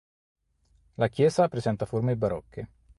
La chiesa presenta forme barocche.